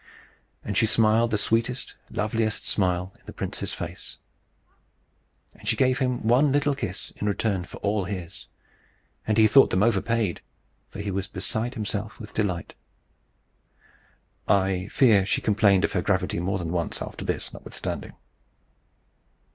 And she smiled the sweetest, loveliest smile in the prince's face. And she gave him one little kiss in return for all his; and he thought them overpaid, for he was beside himself with delight. I fear she complained of her gravity more than once after this, notwithstanding.